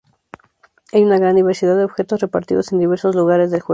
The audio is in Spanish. Hay una gran diversidad de objetos repartidos en diversos lugares del juego.